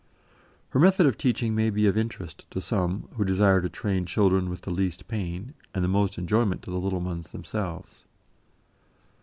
Her method of teaching may be of interest to some, who desire to train children with least pain, and the most enjoyment to the little ones themselves.